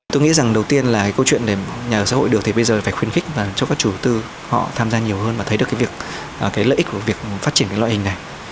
tôi nghĩ rằng đầu tiên là câu chuyện nhà ở xã hội được thì bây giờ phải khuyến khích cho các chủ tư họ tham gia nhiều hơn và thấy được lợi ích của việc phát triển loại hình này